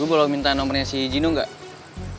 gue boleh minta nomornya si gino gak